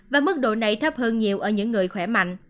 và mức độ này thấp hơn nhiều ở những người khỏe mạnh